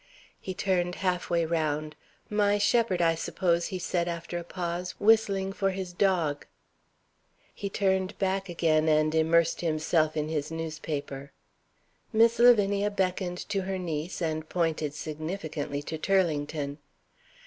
He turned half way round. "My shepherd, I suppose," he said after a pause "whistling for his dog." He turned back again and immersed himself in his newspaper. Miss Lavinia beckoned to her niece and pointed significantly to Turlington.